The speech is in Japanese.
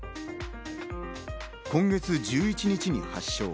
今月１１日に発症。